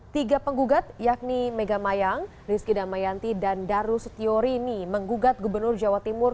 tiga penggugat yakni mega mayang rizky damayanti dan darus setiorini menggugat gubernur jawa timur